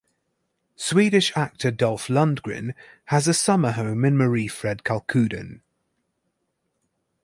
Swedish actor Dolph Lundgren has a summer home in Mariefred, Kalkudden.